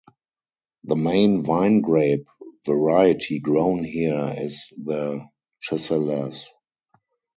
The main wine grape variety grown here is the Chasselas.